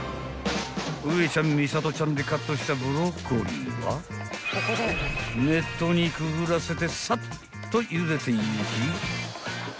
［ウエちゃんミサトちゃんでカットしたブロッコリーは熱湯にくぐらせてさっとゆでていき］